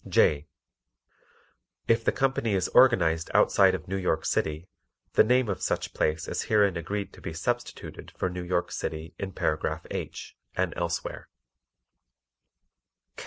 J. If the company is organized outside of New York City, the name of such place is herein agreed to be substituted for New York City in Paragraph H, and elsewhere.